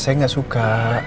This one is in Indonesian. saya gak suka